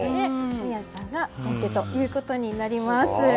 宮司さんが先手ということになります。